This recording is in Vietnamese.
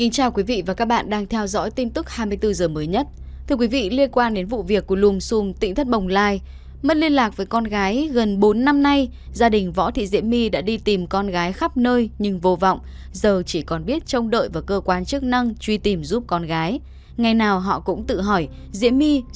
các bạn hãy đăng ký kênh để ủng hộ kênh của chúng mình nhé